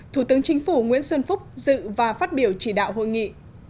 thủ tướng chính phủ nguyễn xuân phúc dự và phát biểu chỉ đạo hội nghị